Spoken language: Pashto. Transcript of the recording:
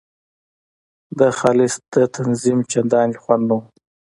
د خالص د تنظیم چندان خوند نه وو.